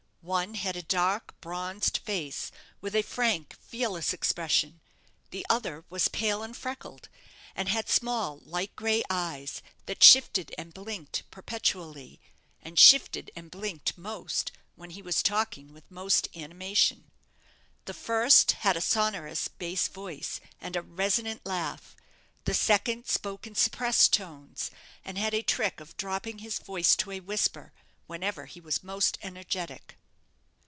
One had a dark, bronzed face, with a frank, fearless expression; the other was pale and freckled, and had small, light gray eyes, that shifted and blinked perpetually, and shifted and blinked most when he was talking with most animation. The first had a sonorous bass voice and a resonant laugh; the second spoke in suppressed tones, and had a trick of dropping his voice to a whisper whenever he was most energetic.